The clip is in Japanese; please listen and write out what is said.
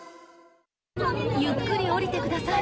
ゆっくり降りてください。